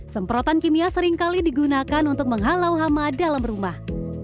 semprotan kimia seringkali digunakan untuk menghalau hama dalam rumah